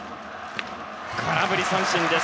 空振り三振です。